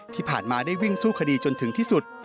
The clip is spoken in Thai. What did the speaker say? ที่ผ่านมาได้วิ่งสู้คดีจนถึงที่สุด